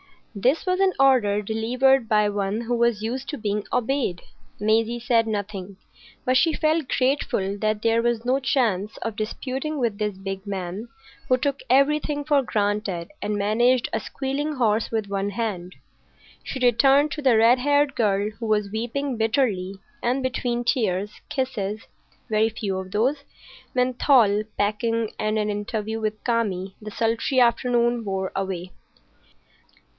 This was an order delivered by one who was used to being obeyed. Maisie said nothing, but she felt grateful that there was no chance of disputing with this big man who took everything for granted and managed a squealing horse with one hand. She returned to the red haired girl, who was weeping bitterly, and between tears, kisses,—very few of those,—menthol, packing, and an interview with Kami, the sultry afternoon wore away.